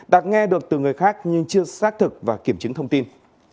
đã nghe được từ người khác nhưng chưa xác thực và kiểm chứng thông tin